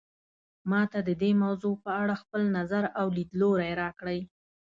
ما ته د دې موضوع په اړه خپل نظر او لیدلوری راکړئ